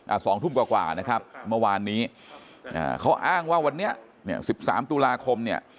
อ่า๒ทุ่มกว่านะครับเมื่อวานนี้เขาอ้างว่าวันนี้๑๓ตุลาคมเนี่ย